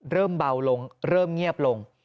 เริ่มเบาลงเริ่มเงียบลง